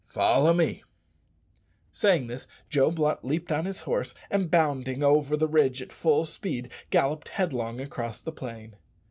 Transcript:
Follow me." Saying this, Joe Blunt leaped on his horse, and, bounding over the ridge at full speed, galloped headlong across the plain.